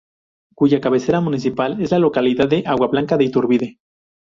Cuya cabecera municipal es la localidad de Agua Blanca de Iturbide.